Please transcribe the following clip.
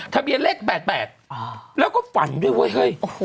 ทะเบียนเลข๘๘แล้วก็ฝันด้วยเว้ยเฮ้ย